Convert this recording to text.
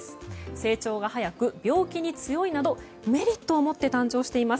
成長が早く病気に強いなどメリットを持って誕生しています。